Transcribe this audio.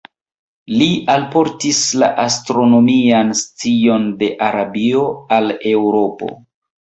Li alportis la astronomian scion de Arabio al Eŭropo.